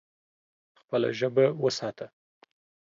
خپله ژبه وساته.